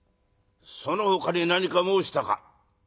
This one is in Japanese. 「そのほかに何か申したか？」。